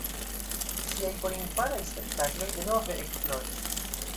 Ŝiaj porinfanaj spektakloj denove ekfloris.